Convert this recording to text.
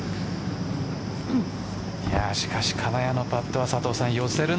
しかし、金谷のパットは佐藤さん